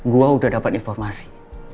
gue udah dapet informasi